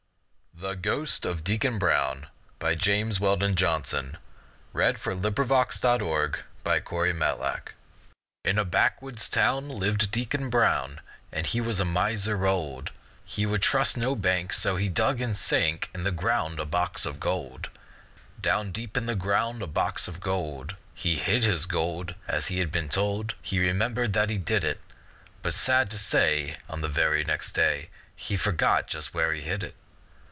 unreached, life speeds Until the blotted record reads, "Failure!" at last. THE GHOST OF DEACON BROWN In a backwoods town Lived Deacon Brown, And he was a miser old; He would trust no bank, So he dug, and sank In the ground a box of gold, Down deep in the ground a box of gold. He hid his gold, As has been told, He remembered that he did it; But sad to say, On the very next day, He forgot just where he hid it.